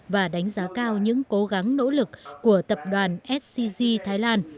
và đánh giá cao những cố gắng nỗ lực của tập đoàn scg thái lan